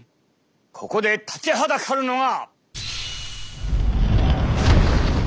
ここで立ちはだかるのが！